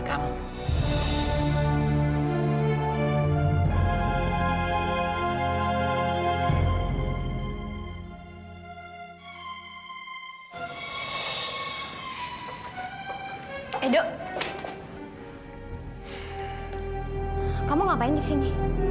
kamu ngapain disini